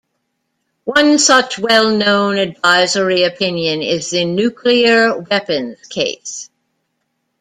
One such well-known advisory opinion is the "Nuclear Weapons Case".